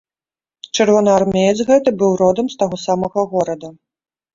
Чырвонаармеец гэты быў родам з таго самага горада.